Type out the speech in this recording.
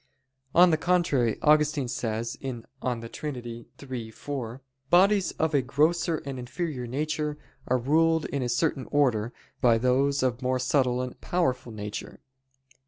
On the contrary, Augustine says (De Trin. iii, 4): "Bodies of a grosser and inferior nature are ruled in a certain order by those of a more subtle and powerful nature."